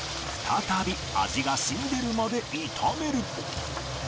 再び味が染み出るまで炒める